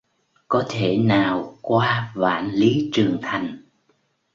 Có thể nào qua Vạn lý trường thành